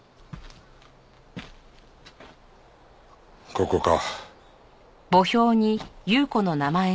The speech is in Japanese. ここか。